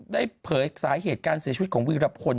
เผยสาเหตุการเสียชีวิตของวีรพล